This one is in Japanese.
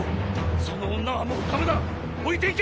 その女はもうダメ置いていけ！